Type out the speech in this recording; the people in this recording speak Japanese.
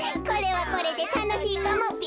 これはこれでたのしいかもべ。